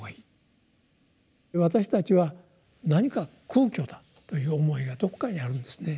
私たちは何か空虚だという思いがどこかにあるんですね。